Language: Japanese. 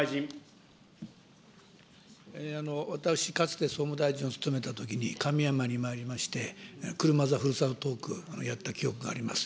私、かつて総務大臣を務めたときに、神山にまいりまして、車座ふるさとトーク、やった記憶があります。